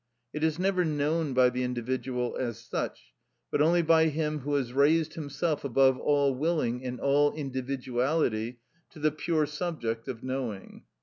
It is never known by the individual as such, but only by him who has raised himself above all willing and all individuality to the pure subject of knowing.